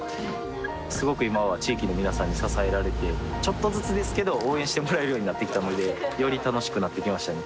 すごく今は地域の皆さんに支えられてちょっとずつですけど応援してもらえるようになってきたのでより楽しくなってきましたね